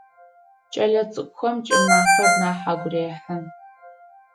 Кӏэлэцӏыкӏухэм кӏымафэр нахь агу рехьы.